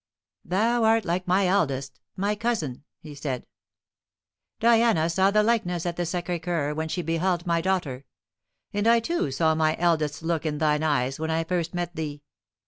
"Thou art like my eldest, my cousin," he said; "Diana saw the likeness at the Sacré Coeur when she beheld my daughter; and I too saw my eldest's look in thine eyes when I first met thee.